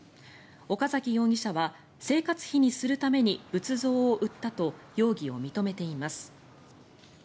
岡崎容疑者は生活費にするために仏像を売ったと容疑を認めています。